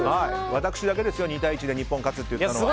私だけですよ２対１で日本が勝つと言ったのは。